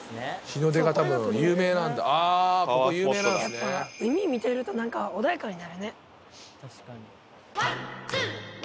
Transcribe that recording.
やっぱ海見てると何か穏やかになるね。